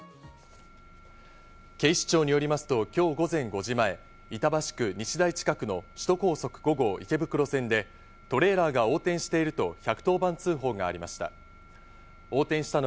警視庁によりますと今日午前５時前、板橋区西台近くの首都高速５号池袋線でトレーラーが横転していると１１０番通報がありました。